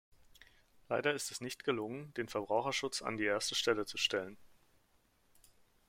Leider ist es nicht gelungen, den Verbraucherschutz an die erste Stelle zu stellen.